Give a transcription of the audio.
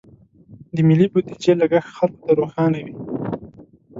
د ملي بودیجې لګښت خلکو ته روښانه وي.